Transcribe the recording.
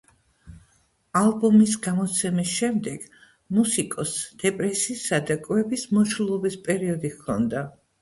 ალბომის გამოცემის შემდეგ მუსიკოსს დეპრესიისა და კვების მოშლილობის პერიოდი ჰქონდა.